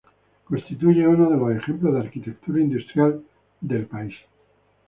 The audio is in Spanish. Constituye uno de los ejemplos de arquitectura industrial del en el país.